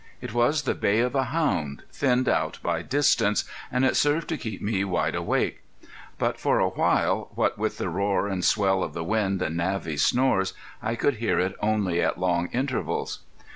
It was the bay of a hound, thinned out by distance, and it served to keep me wide awake. But for a while, what with the roar and swell of the wind and Navvy's snores, I could hear it only at long intervals.